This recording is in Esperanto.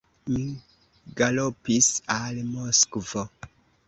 Mi galopis al Moskvo.